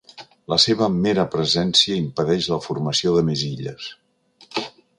La seva mera presència impedeix la formació de més illes.